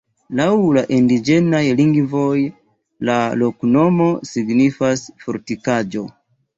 Laŭ la indiĝenaj lingvoj la loknomo signifas: fortikaĵo.